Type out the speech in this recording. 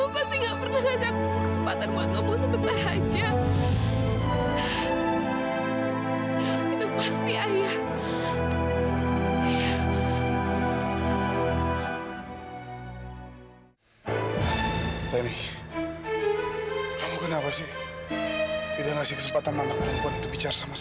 kenapa sih gak pernah ngajak kesempatan mau ngomong sebentar aja